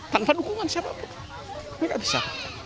tanpa dukungan siapa pun mereka bisa